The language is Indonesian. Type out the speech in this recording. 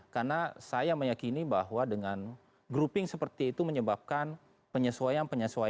karena saya meyakini bahwa dengan grouping seperti itu menyebabkan penyesuaian penyesuaian antara tiga masyarakat